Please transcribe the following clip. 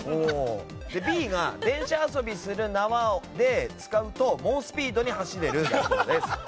Ｂが電車遊びする縄で、使うと猛スピードで走れる。